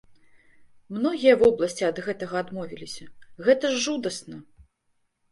Многія вобласці ад гэтага адмовіліся, гэта ж жудасна!